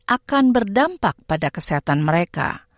akan berdampak pada kesehatan mereka